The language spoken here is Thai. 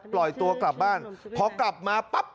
ปล่อยตัวกลับบ้านพอกลับมาปั๊บ